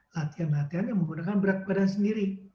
latihan latihan yang menggunakan berat badan sendiri